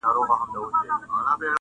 چي منگول ته مو جوړ کړی عدالت دئ٫